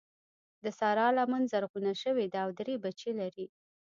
د سارا لمن زرغونه شوې ده او درې بچي لري.